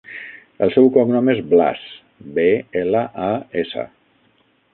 El seu cognom és Blas: be, ela, a, essa.